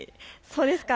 そうですか。